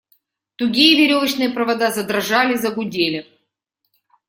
Тугие веревочные провода задрожали, загудели.